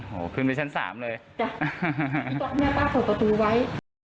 โหขึ้นไปชั้นสามเลยจ้ะพี่ต้องให้แม่ป้าเปิดประตูไว้